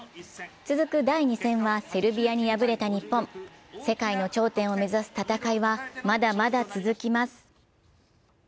続く第２戦はセルビアに敗れた日本世界の頂点を目指す戦いはまだまだ続きます。